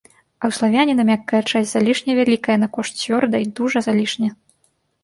А ў славяніна мяккая часць залішне вялікая на кошт цвёрдай, дужа залішне.